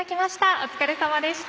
お疲れさまでした。